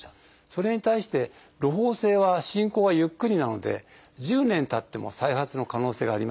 それに対してろほう性は進行がゆっくりなので１０年たっても再発の可能性がありますね。